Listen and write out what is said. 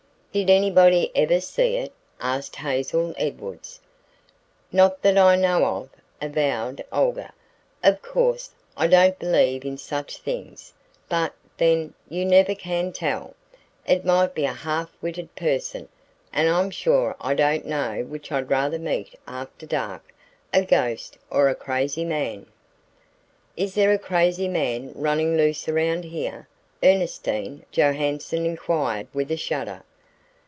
"Did anybody ever see it?" asked Hazel Edwards. "Not that I know of," avowed Olga. "Of course, I don't believe in such things, but, then, you never can tell. It might be a half witted person, and I'm sure I don't know which I'd rather meet after dark a ghost or a crazy man." "Is there a crazy man running loose around here?" Ernestine Johanson inquired with a shudder.